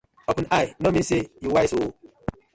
Open eye no mean say yu wise ooo.